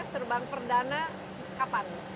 terbang perdana kapan